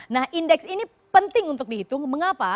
nah indeks ini penting untuk dihitung mengapa